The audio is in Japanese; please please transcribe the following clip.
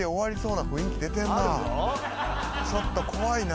ちょっと怖いな。